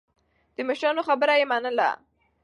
د مشرانو خبره يې منله.